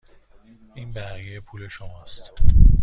این بقیه پول شما است.